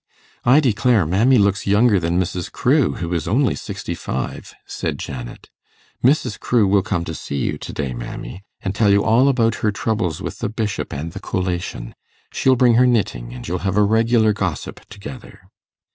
'I declare mammy looks younger than Mrs. Crewe, who is only sixty five,' said Janet. 'Mrs. Crewe will come to see you to day, mammy, and tell you all about her troubles with the Bishop and the collation. She'll bring her knitting, and you'll have a regular gossip together.